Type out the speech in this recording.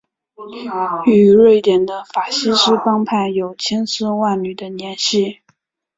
与瑞典的法西斯帮派有千丝万缕的联系。